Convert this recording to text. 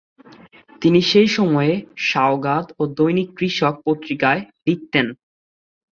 তিনি সেই সময়ে সওগাত ও দৈনিক কৃষক পত্রিকায় লিখতেন।